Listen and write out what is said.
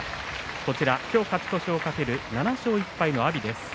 こちら今日勝ち越しを懸ける７勝１敗の阿炎です。